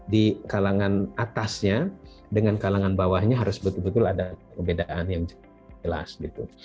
di kalangan atasnya dengan kalangan bawahnya harus betul betul ada perbedaan yang jelas gitu